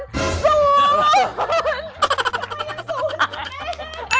ทำไมยังสูตรแม่